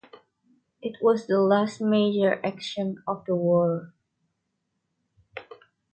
It was the last major action of the war.